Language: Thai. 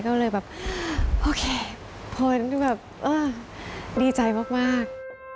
ก็เลยแบบโอเคผลดีใจมาก